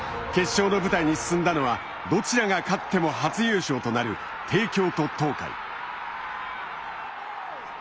決勝の舞台に進んだのはどちらが勝っても初優勝となる帝京と東海。